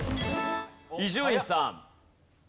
伊集院さん。